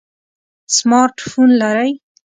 سمارټ فون لرئ؟